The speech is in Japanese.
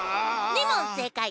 ２もんせいかい。